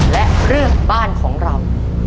และเรื่องบ้านของเรา